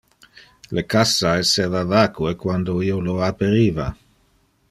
Le cassa esseva vacue quando io lo aperiva.